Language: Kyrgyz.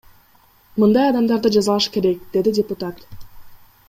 Мындай адамдарды жазалаш керек, — деди депутат.